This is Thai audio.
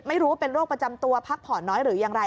ไม่รู้ว่าเป็นโรคประจำตัวพักผ่อนน้อยหรือยังไ